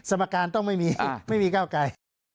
สมการต้องไม่มีก้าวไกล